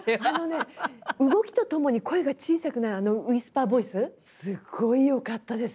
動きとともに声が小さくなるあのウイスパーボイスすごいよかったです。